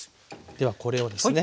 ではこれをですね